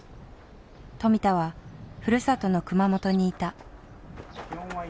富田はふるさとの熊本にいた。